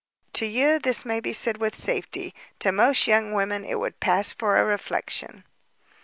To you this may be said with safety; to most young women it would pass for a reflection."